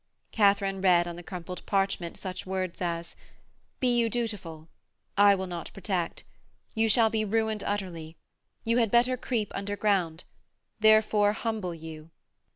Katharine read on the crumpled parchment such words as: 'Be you dutiful ... I will not protect ... You shall be ruined utterly ... You had better creep underground ... Therefore humble you